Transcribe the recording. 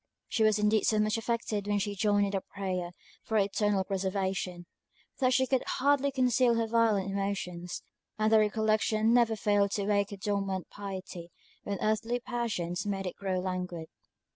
She was indeed so much affected when she joined in the prayer for her eternal preservation, that she could hardly conceal her violent emotions; and the recollection never failed to wake her dormant piety when earthly passions made it grow languid.